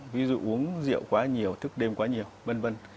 ví dụ uống rượu quá nhiều thức đêm quá nhiều v v